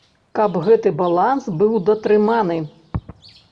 Каб гэты баланс быў датрыманы.